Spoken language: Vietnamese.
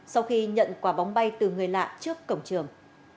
sau khi nhận quà bóng bay từ người lạ trước cổng trường